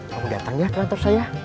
kamu datang ya ke kantor saya